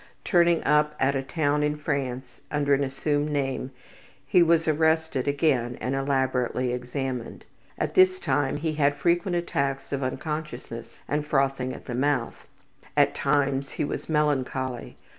Turning up at a town in France under an assumed name, he was arrested again and elaborately examined. At this time he had frequent attacks of unconsciousness and frothing at the mouth. At times he was melancholy.